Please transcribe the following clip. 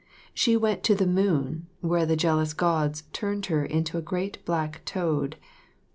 She went to the moon, where the jealous Gods turned her into a great black toad.